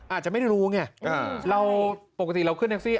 อาจจะไม่ได้รู้เนี่ย